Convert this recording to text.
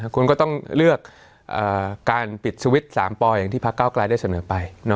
คุณก็ต้องเลือกการปิดสวิตช์๓ปอย่างที่พักเก้าไกลได้เสนอไป